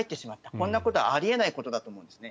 こんなことはあり得ないことだと思うんですね。